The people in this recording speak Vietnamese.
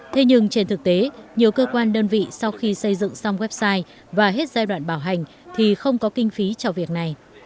thế nhưng trên thực tế nhiều cơ quan đơn vị sau khi xây dựng xong website và hết giai đoạn bảo hành thì không có kinh phí cho việc này